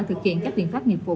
thực hiện các biện pháp nghiệp vụ